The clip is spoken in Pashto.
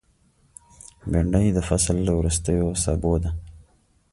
بېنډۍ د فصل له وروستیو سابو ده